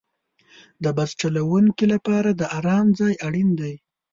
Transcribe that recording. د بس چلوونکي لپاره د آرام ځای اړین دی.